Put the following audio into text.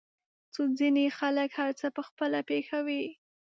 خو ځينې خلک هر څه په خپله پېښوي.